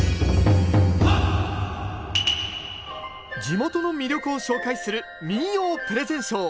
地元の魅力を紹介する民謡プレゼンショー！